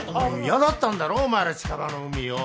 嫌だったんだろお前ら近場の海よ。